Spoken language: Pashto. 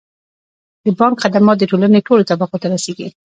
د بانک خدمات د ټولنې ټولو طبقو ته رسیږي.